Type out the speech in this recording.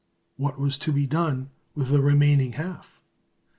What was to be done with the remaining half?